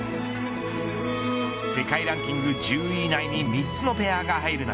世界ランキング１０位以内に３つのペアが入る中